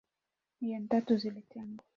milioni tatu zilitengwa